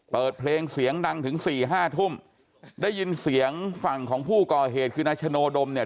เปิดเพลงเสียงดังถึงสี่ห้าทุ่มได้ยินเสียงฝั่งของผู้ก่อเหตุคือนายชโนดมเนี่ย